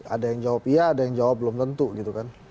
ada yang jawab iya ada yang jawab belum tentu gitu kan